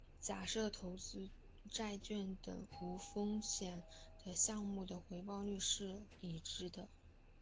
假设投资债券等无风险项目的回报率是已知的。